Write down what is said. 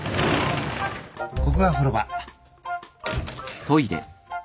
ここが風呂場。